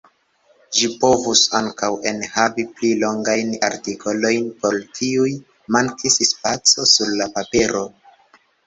Ĝi povus ankaŭ enhavi pli longajn artikolojn, por kiuj mankis spaco sur la papero.